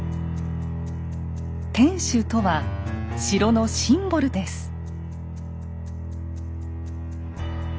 「天守」とは城のシンボルです。